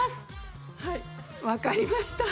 はいわかりました。